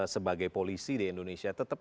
sebagai polisi di indonesia tetap